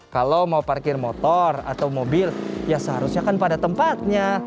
kalau mau parkir motor atau mobil ya seharusnya kan pada tempatnya